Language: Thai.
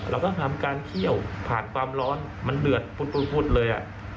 เราต้องทำการเคี่ยวผ่านความร้อนมันเดือดพุธเลย